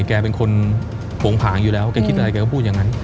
แกเป็นคนโผงผางอยู่แล้วแกคิดอะไรแกก็พูดอย่างนั้น